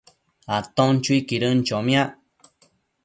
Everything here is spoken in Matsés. aton chuiquidën chomiac